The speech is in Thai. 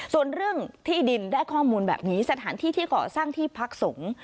ส่วนเรื่องที่ดินได้ข้อมูลแบบนี้สถานที่ที่ก่อสร้างที่พักสงฆ์